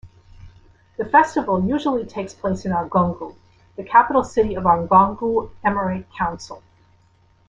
The festival usually takes place in Argungu, the capital city of Argungu Emirate Council.